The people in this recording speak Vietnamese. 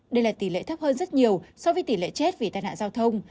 đây là tỷ lệ thấp hơn rất nhiều so với tỷ lệ chết vì tàn hạ giao thông